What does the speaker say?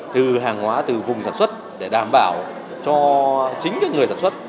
từ hàng hóa từ vùng sản xuất để đảm bảo cho chính người sản xuất